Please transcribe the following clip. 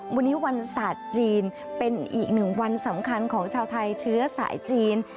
วันนี้วันศาสตร์จีนเป็นอีกหนึ่งวันสำคัญของชาวไทยเชื้อสายจีน